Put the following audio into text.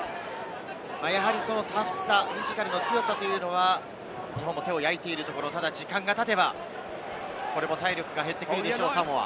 やはりそのタフさ、フィジカルの強さというのは日本も手を焼いているところ、ただ時間がたてばこれも体力が減ってくるでしょう、サモア。